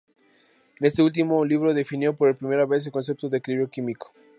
En este último libro definió por primera vez el concepto de "equilibrio químico".